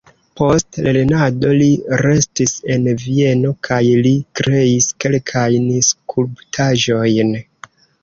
Post lernado li restis en Vieno kaj li kreis kelkajn skulptaĵojn.